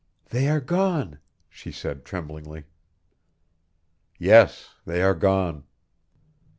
"They are gone," she said tremblingly. "Yes; they are gone."